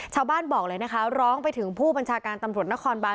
บอกเลยนะคะร้องไปถึงผู้บัญชาการตำรวจนครบาน